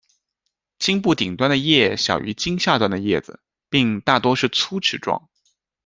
茎部顶端的叶小于茎下端的叶子，并大多是粗齿状。